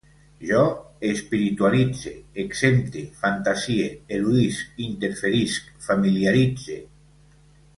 Jo espiritualitze, exempte, fantasie, eludisc, interferisc, familiaritze